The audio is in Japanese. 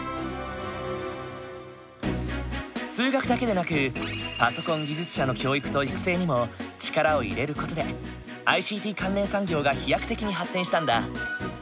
数学だけでなくパソコン技術者の教育と育成にも力を入れる事でＩＣＴ関連産業が飛躍的に発展したんだ。